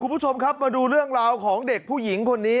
คุณผู้ชมครับมาดูเรื่องราวของเด็กผู้หญิงคนนี้